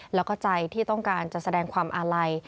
แล้วก็ใจที่ต้องการจะแสดงความอาลัย